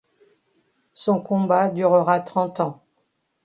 Son combat durera trente ans.